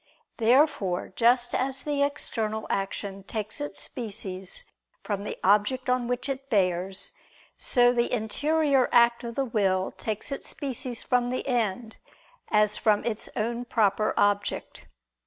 Therefore just as the external action takes its species from the object on which it bears; so the interior act of the will takes its species from the end, as from its own proper object.